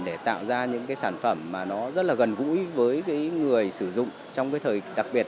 để tạo ra những cái sản phẩm mà nó rất là gần gũi với người sử dụng trong cái thời đặc biệt